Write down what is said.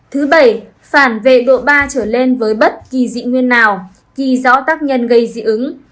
thứ bảy phản về độ ba trở lên với bất kỳ dị nguyên nào ghi rõ tác nhân gây dị ứng